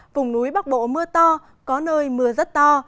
vùng núi bắc bộ mưa to có nơi mưa rất to